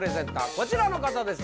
こちらの方です